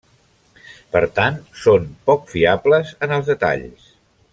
Per tant, són poc fiables en els detalls.